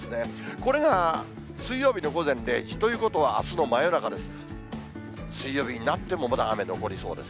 これが水曜日の午前０時ということは、あすの真夜中です。